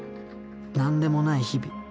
なんでもない日々。